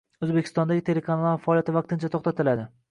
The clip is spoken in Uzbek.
O‘zbekistondagi telekanallar faoliyati vaqtincha to‘xtatiladi